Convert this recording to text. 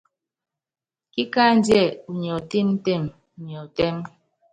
Kíkándíɛ unyi ɔtɛ́mtɛm, unyɛ ɔtɛ́m.